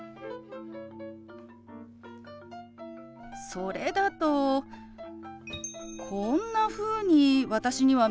それだとこんなふうに私には見えるわ。